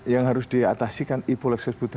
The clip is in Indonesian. yang harus diatasikan ibo leksus butuh